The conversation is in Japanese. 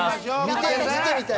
見てみたい。